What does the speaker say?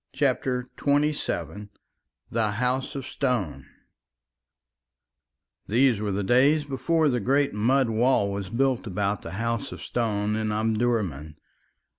CHAPTER XXVII THE HOUSE OF STONE These were the days before the great mud wall was built about the House of Stone in Omdurman.